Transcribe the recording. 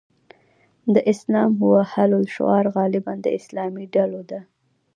د الاسلام هو الحل شعار غالباً د اسلامي ډلو ده.